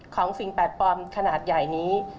ของสิ่งแบบปลอมขนาดใหญ่นี้